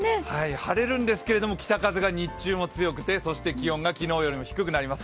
晴れるんですけど、北風が日中も強くて、そして気温が昨日よりも低くなります。